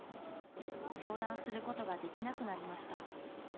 相談することができなくなりました。